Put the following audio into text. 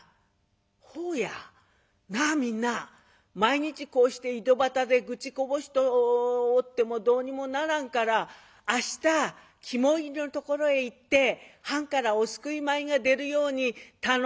「ほうや！なあみんな毎日こうして井戸端で愚痴こぼしとってもどうにもならんから明日肝煎りのところへ行って藩からお救い米が出るように頼んでもろたらどうやろな」。